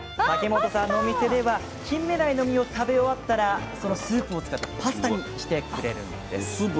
嵩本さんのお店ではキンメダイの身を食べ終わったらそのスープを使ってパスタにしてくれるんです。